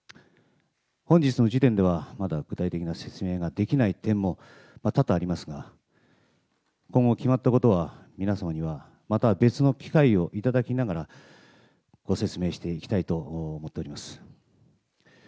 本日の時点では、まだ具体的な説明ができない点も多々ありますが、今後、決まったことは皆様にはまた別の機会を頂きながら、ご説明していきたいと思っております。